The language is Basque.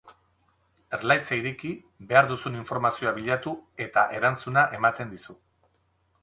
Erlaitza ireki, behar duzun informazioa bilatu eta erantzuna ematen dizu.